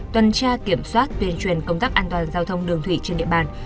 tuần tra kiểm soát tuyên truyền công tác an toàn giao thông đường thủy trên địa bàn